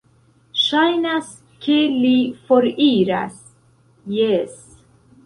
Ŝajnas, ke li foriras... jes.